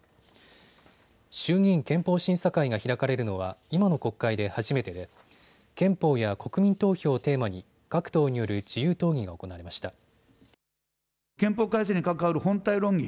衆議院憲法審査会が開かれるのは今の国会で初めてで憲法や国民投票をテーマに各党による自由党議が行われました。